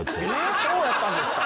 そうやったんですか？